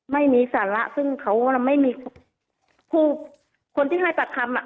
ไม่มีสาระซึ่งเขาไม่มีผู้คนที่ให้ปากคำอ่ะ